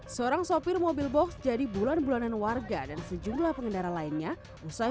seorang sopir mobil box jadi bulan bulanan warga dan sejumlah pengendara lainnya usai